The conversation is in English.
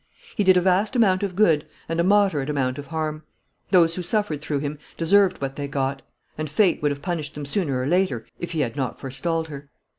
"He did a vast amount of good and a moderate amount of harm. Those who suffered through him deserved what they got; and fate would have punished them sooner or later if he had not forestalled her.